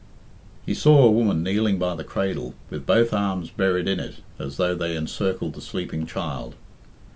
He saw a woman kneeling by the cradle, with both arms buried in it as though they encircled the sleeping child.